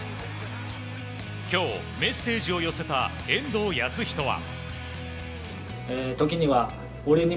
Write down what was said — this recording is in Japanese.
今日、メッセージを寄せた遠藤保仁は。